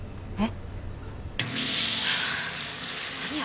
えっ？